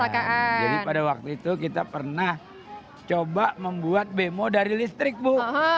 jadi pada waktu itu kita pernah coba membuat bemo dari listrik bu